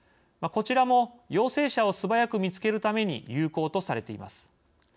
こちらも陽性者を素早く見つけるために有効とされています。